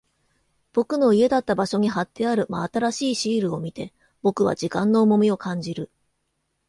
僕の家だった場所に貼ってある真新しいシールを見て、僕は時間の重みを感じる。